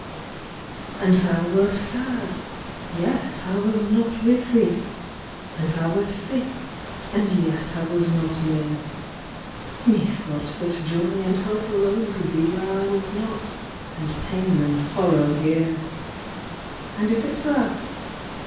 And thou wert sad yet I was not with thee; And thou wert sick, and yet I was not near; Methought that Joy and Health alone could be Where I was not and pain and sorrow here! And is it thus?